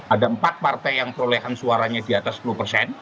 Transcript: ada empat partai yang perolehan suaranya di atas sepuluh persen